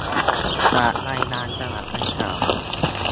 จากรายงานฉบับดังกล่าว